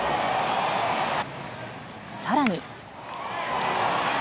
さらに。